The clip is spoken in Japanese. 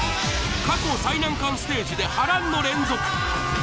過去最難関ステージで波乱の連続！